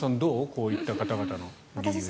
こういった方々の理由は。